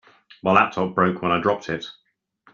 My laptop broke when I dropped it.